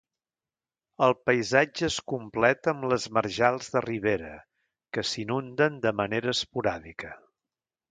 El paisatge es completa amb les marjals de ribera, que s'inunden de manera esporàdica.